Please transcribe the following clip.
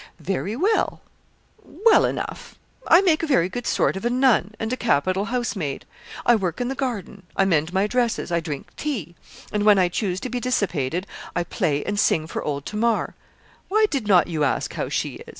'Very well well enough. I make a very good sort of a nun, and a capital housemaid. I work in the garden, I mend my dresses, I drink tea, and when I choose to be dissipated, I play and sing for old Tamar why did not you ask how she is?